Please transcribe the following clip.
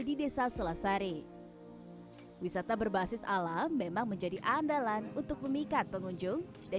di desa selasari wisata berbasis alam memang menjadi andalan untuk memikat pengunjung dan